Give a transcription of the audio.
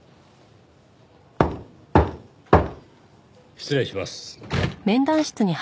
失礼します。